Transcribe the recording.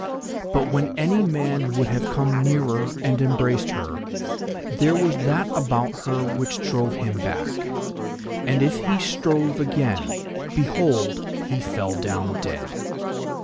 But when any man would have come nearer and embraced her, there was that about her which drove him back, and if he strove again, behold, he fell down dead.